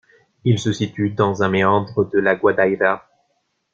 Il se situe dans un méandre de la Guadaíra.